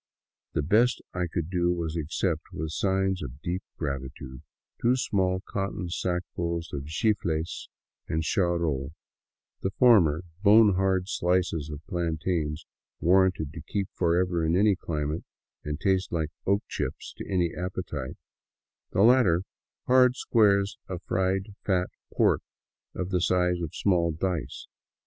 The best I could do was to accept, with signs of deep gratitude, two small cotton sackfuls of chifles and charol; the former, bone hard slices of plan tains warranted to keep forever in any climate and taste like oak chips to any appetite ; the latter, hard squares of fried fat pork of the size of small dice.